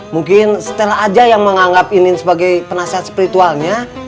mungkin stella saja yang menganggap inin sebagai penasihat spiritualnya